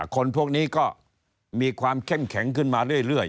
คนพวกนี้ก็มีความเข้มแข็งขึ้นมาเรื่อย